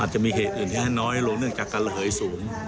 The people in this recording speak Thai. จะมีเหตุอื่นที่ให้น้อยลงเนื่องจากการระเหยสูง